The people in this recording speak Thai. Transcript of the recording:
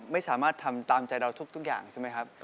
ไม่สามารถทำตามใจเราทุกอย่างใช่ไหมครับ